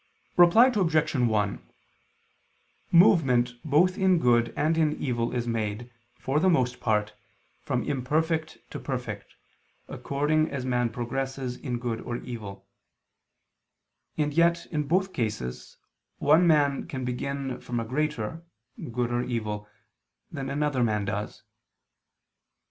Reply Obj. 1: Movement both in good and in evil is made, for the most part, from imperfect to perfect, according as man progresses in good or evil: and yet in both cases, one man can begin from a greater (good or evil) than another man does.